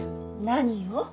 何を？